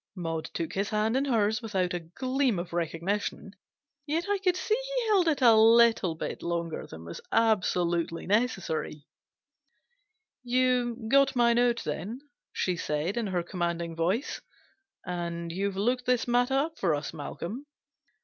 Maud took his hand in hers without a gleam of recognition, yet I could see he held it a little bit longer than was absolutely necessary. " You got my note, then?" she said, in her com 21 346 GENERAL PASSAVANT'S WILL. manding voice. " And you've looked this matter up for us, Malcolm